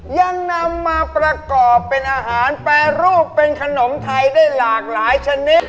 ยังนำมาประกอบเป็นอาหารแปรรูปเป็นขนมไทยได้หลากหลายชนิด